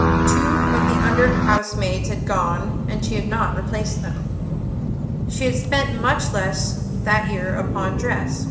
Two of the under housemaids had gone and she had not replaced them; she had spent much less that year upon dress.